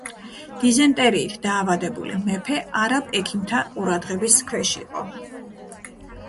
დიზენტერიით დაავადებული მეფე არაბ ექიმთა ყურადღების ქვეშ იყო.